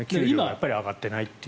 ずっと上がっていないという。